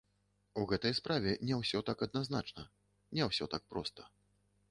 У гэтай справе не ўсё так адназначна, не ўсё так проста.